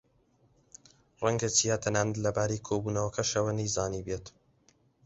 ڕەنگە چیا تەنانەت لەبارەی کۆبوونەوەکەشەوە نەیزانیبێت.